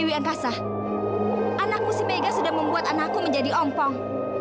dewi angkasa anakku si mega sudah membuat anakku menjadi ompong